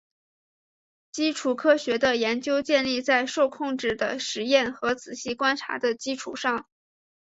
基础科学的研究建立在受控制的实验和仔细观察的基础上。